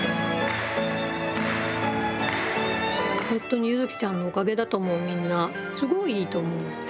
本当にゆづきちゃんのおかげだと思う、みんな、すごくいいと思う。